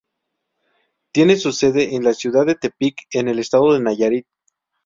Tiene su sede en la ciudad de Tepic en el estado de Nayarit.